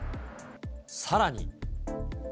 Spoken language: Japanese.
さらに。